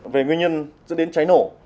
về nguyên nhân dẫn đến cháy nổ